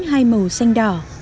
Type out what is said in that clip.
hai màu xanh đỏ